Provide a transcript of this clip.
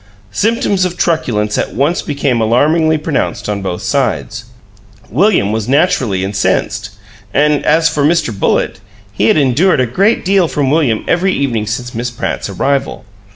Symptoms of truculence at once became alarmingly pronounced on both sides. William was naturally incensed, and as for Mr. Bullitt, he had endured a great deal from William every evening since Miss Pratt's arrival.